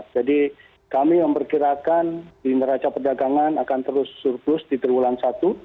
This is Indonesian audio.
jadi kami memperkirakan di raca perdagangan akan terus surplus di terbulan satu